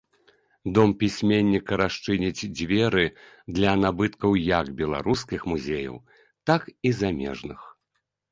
Дом пісьменніка расчыніць дзверы для набыткаў як беларускіх музеяў, так і замежных.